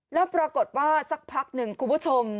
แล้วปรากฏว่าสักพักหนึ่งคุณผู้ชม